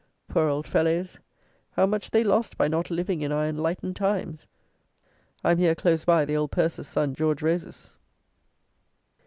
Poor old fellows! How much they lost by not living in our enlightened times! I am here close by the Old Purser's son George Rose's!